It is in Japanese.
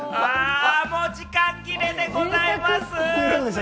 もう時間切れでございます。